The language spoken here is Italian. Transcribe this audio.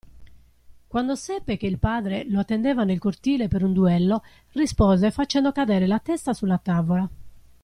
Quando seppe che il padre lo attendeva nel cortile per un duello rispose facendo cadere la testa sulla tavola.